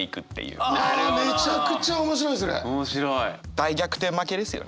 大逆転負けですよねだから。